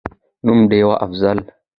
نوم: ډېوه«افضل»